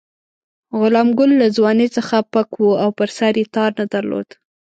غلام ګل له ځوانۍ څخه پک وو او پر سر یې تار نه درلود.